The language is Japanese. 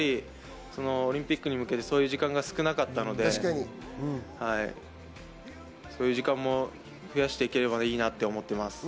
オリンピックに向けてそういう時間が少なかったので、そういう時間も増やしていければいいなと思っています。